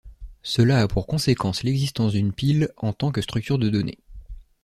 Cela a pour conséquence l'existence d'une pile en tant que structure de données.